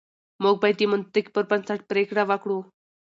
موږ بايد د منطق پر بنسټ پرېکړه وکړو.